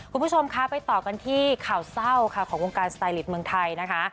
คุณผู้ชมคะไปต่อกันที่ข่าวเศร้าค่ะของวงการสไตลิตเมืองไทยนะคะ